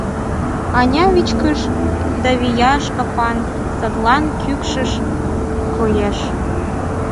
Аня вичкыж да вияш капан, садлан кӱкшын коеш.